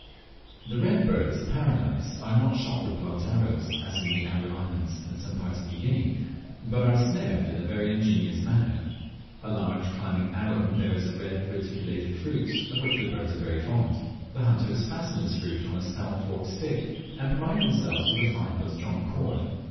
The Red Birds of Paradise are not shot with blunt arrows, as in the Aru Islands and some parts of New Guinea, but are snared in a very ingenious manner. A large climbing Arum bears a red reticulated fruit, of which the birds are very fond. The hunters fasten this fruit on a stout forked stick, and provide themselves with a fine but strong cord.